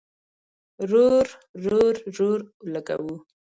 رور، رور، رور اولګوو